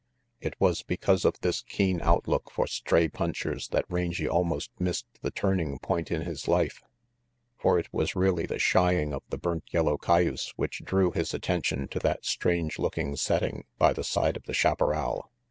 It was because of this keen outlook for stray punchers that Rangy almost missed the turning point in his life. For it was really the shying of the burnt yellow cayuse which drew his attention to that strange looking setting by the side of the chaparral.